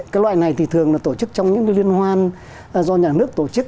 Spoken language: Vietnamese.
cái loại này thì thường là tổ chức trong những liên hoan do nhà nước tổ chức